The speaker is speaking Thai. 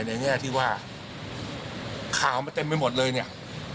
แง่ที่ว่าข่าวมันเต็มไปหมดเลยเนี่ย